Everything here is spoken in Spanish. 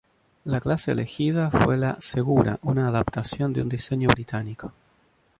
La clase elegida fue la "Segura", una adaptación de un diseño británico.